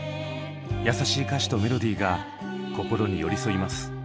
優しい歌詞とメロディーが心に寄り添います。